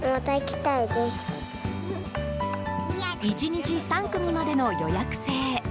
１日３組までの予約制。